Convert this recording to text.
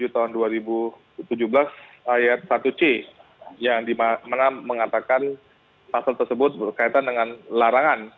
tahun dua ribu tujuh belas ayat satu c yang dimana mengatakan pasal tersebut berkaitan dengan larangan